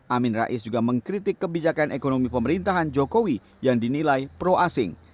amin rais juga mengkritik kebijakan ekonomi pemerintahan jokowi yang dinilai pro asing